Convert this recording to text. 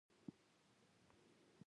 هر د زخمتونو پیل؛ زرین پای لري.